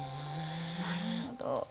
なるほど！